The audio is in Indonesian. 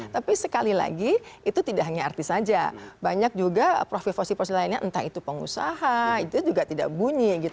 tapi sekali lagi itu tidak hanya artis saja banyak juga profil profil lainnya entah itu pengusaha itu juga tidak bunyi gitu ketika di dpr